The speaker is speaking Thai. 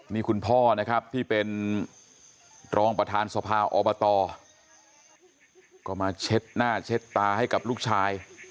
นี่คุณพ่อนะครับที่เป็นรองประธานสภาอบตก็มาเช็ดหน้าเช็ดตาให้กับลูกชาย